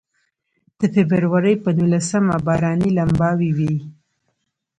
د فبروري په نولسمه باراني لمباوې وې.